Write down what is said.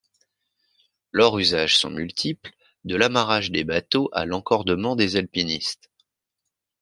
Leurs usages sont multiples, de l'amarrage des bateaux à l'encordement des alpinistes.